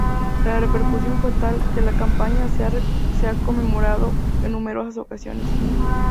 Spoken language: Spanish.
La repercusión fue tal, que la campaña se ha conmemorado en numerosas ocasiones.